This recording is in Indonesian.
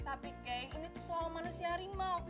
tapi kek ini tuh soal manusia harimau